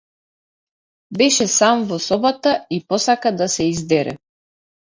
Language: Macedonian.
Беше сам во собата, и посака да се издере.